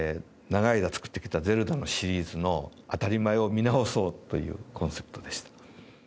長い間、作ってきた『ゼルダ』のシリーズの当たり前を見直そうというコンセプトでした。